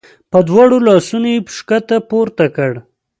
په دواړو لاسونو یې ښکته پورته کړ.